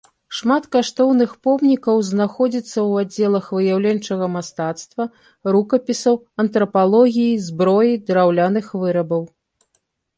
Шмат каштоўных помнікаў знаходзіцца ў аддзелах выяўленчага мастацтва, рукапісаў, антрапалогіі, зброі, драўляных вырабаў.